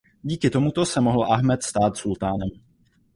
Díky tomu se mohl Ahmed stát sultánem.